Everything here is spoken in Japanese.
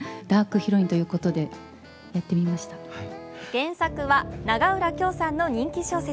原作は、長浦京さんの人気小説。